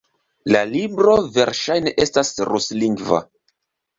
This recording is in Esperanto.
La libro verŝajne estas ruslingva.